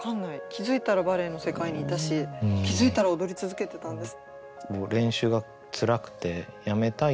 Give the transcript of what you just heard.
気付いたらバレエの世界にいたし気付いたら踊り続けてたんです。